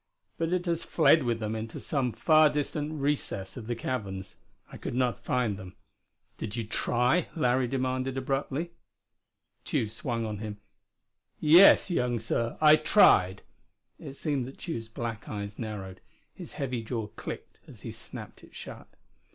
But it has fled with them into some far distant recess of the caverns. I could not find them." "Did you try?" Larry demanded abruptly. Tugh swung on him. "Yes, young sir, I tried." It seemed that Tugh's black eyes narrowed; his heavy jaw clicked as he snapped it shut.